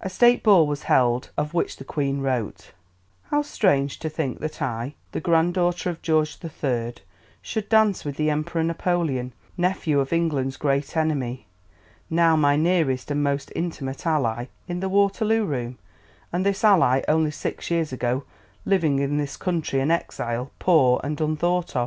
A State Ball was held of which the Queen wrote: "How strange to think that I, the granddaughter of George III, should dance with the Emperor Napoleon, nephew of England's great enemy, now my nearest and most intimate ally, in the Waterloo room, and this ally only six years ago living in this country an exile, poor and unthought of!